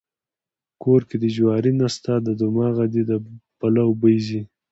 کور کې دې جواري نسته د دماغه دې د پلو بوی ځي.